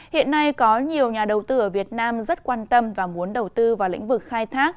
hiện nay có nhiều nhà đầu tư ở việt nam rất quan tâm và muốn đầu tư vào lĩnh vực khai thác